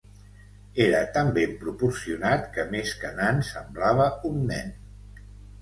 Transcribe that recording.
Era tan ben proporcionat que més que nan semblava un nen.